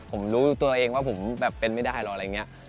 ผมรู้ตัวเองว่าผมแบบเป็นไม่ได้หรอกอะไรอย่างนี้